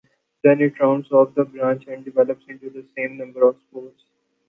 Then it rounds off the branch and develops into the same number of spores.